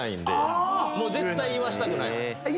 もう絶対言わせたくない。